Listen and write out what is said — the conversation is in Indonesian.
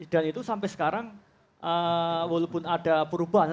dan itu sampai sekarang walaupun ada perubahan